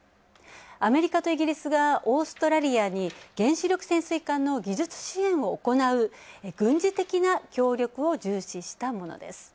アメリカとイギリスがオーストラリアに原子力潜水艦の技術支援を行う軍事的な協力を重視したものです。